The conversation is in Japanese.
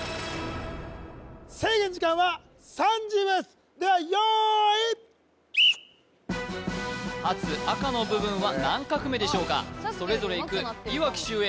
制限時間は３０秒ですでは用意発赤の部分は何画目でしょうかそれぞれいくいわき秀英